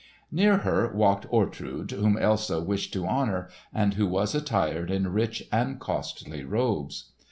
Near her walked Ortrud whom Elsa wished to honour, and who was attired in rich and costly robes.